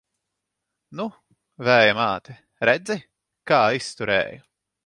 Nu, Vēja māte, redzi, kā izturēju!